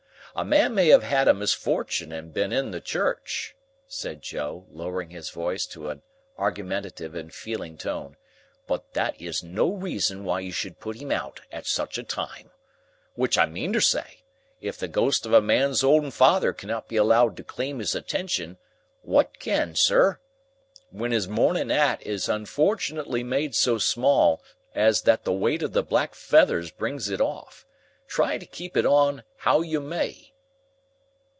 A man may have had a misfortun' and been in the Church," said Joe, lowering his voice to an argumentative and feeling tone, "but that is no reason why you should put him out at such a time. Which I meantersay, if the ghost of a man's own father cannot be allowed to claim his attention, what can, Sir? Still more, when his mourning 'at is unfortunately made so small as that the weight of the black feathers brings it off, try to keep it on how you may."